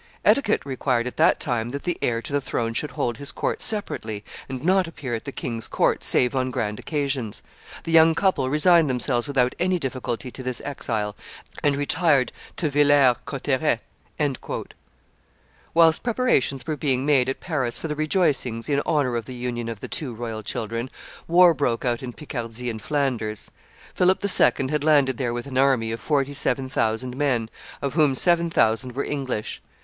"Etiquette required at that time that the heir to the throne should hold his court separately, and not appear at the king's court save on grand occasions. The young couple resigned themselves without any difficulty to this exile, and retired to Villers Cotterets." [Histoire de Marie Stuart, by Jules Gauthier, t. i. p. 36.] Whilst preparations were being made at Paris for the rejoicings in honor of the union of the two royal children, war broke out in Picardy and Flanders. Philip II. had landed there with an army of forty seven thousand men, of whom seven thousand were English.